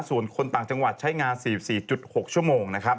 ส่วนคนต่างจังหวัดใช้งาน๔๔๖ชั่วโมงนะครับ